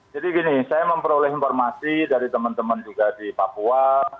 jadi gini saya memperoleh informasi dari teman teman juga di papua